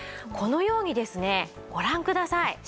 このようにですねご覧ください。